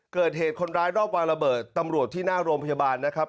เกิดเหตุคนร้ายรอบวางระเบิดตำรวจที่หน้าโรงพยาบาลนะครับ